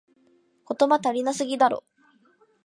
言語足りなすぎだろ